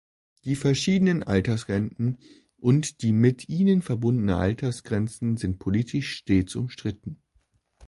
Die verschiedenen Altersrenten und die mit ihnen verbundenen Altersgrenzen sind politisch stets umstritten.